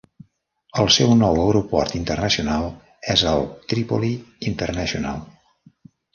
El seu nou aeroport internacional és el Tripoli International.